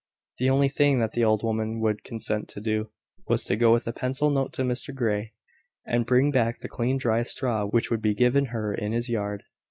The only thing that the old woman would consent to do, was to go with a pencil note to Mr Grey, and bring back the clean dry straw which would be given her in his yard.